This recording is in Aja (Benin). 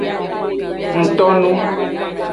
Ngtonu.